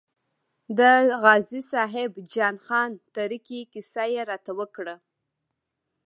د غازي صاحب جان خان تره کې کیسه یې راته وکړه.